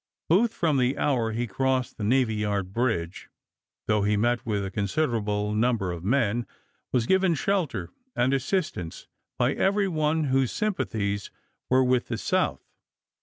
Booth, from the hour he crossed the navy yard bridge, though he met with a consider able number of men, was given shelter and assist ance by every one whose sympathies were with the South.